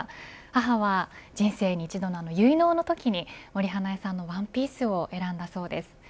母は人生に一度の結納のときに森英恵さんのワンピースを選んだそうです。